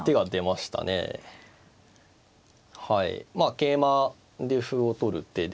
桂馬で歩を取る手で。